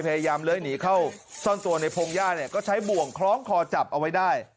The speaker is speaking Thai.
เลื้อยหนีเข้าซ่อนตัวในพงหญ้าเนี่ยก็ใช้บ่วงคล้องคอจับเอาไว้ได้